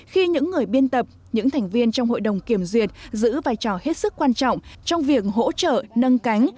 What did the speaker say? khi những người biên tập những thành viên trong hội đồng kiểm duyệt giữ vai trò hết sức quan trọng trong việc hỗ trợ nâng cánh